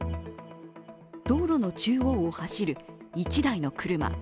道路の中央を走る１台の車。